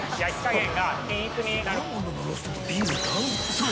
［そう。